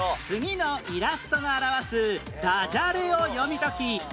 次のイラストが表すダジャレを読み解き